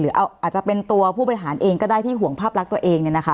อาจจะเป็นตัวผู้บริหารเองก็ได้ที่ห่วงภาพลักษณ์ตัวเอง